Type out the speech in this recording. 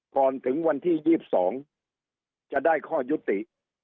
ถึงวันที่๒๒จะได้ข้อยุติ